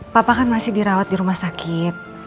papa kan masih dirawat di rumah sakit